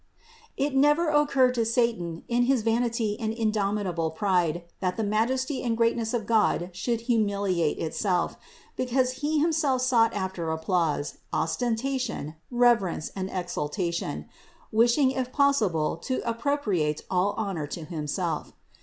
It never occurred to satan in his vanity and indomitable pride, that the THE INCARNATION 423 majesty and greatness of God should humiliate itself; because he himself sought after applause, ostentation, reverence and exaltation, wishing if possible to appro priate all honor to himself.